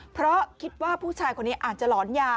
เพราะคิดว่าผู้ชายคนนี้อาจจะหลอนยา